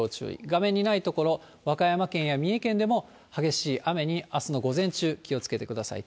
画面にない所、和歌山県や三重県でも、激しい雨にあすの午前中、気をつけてください。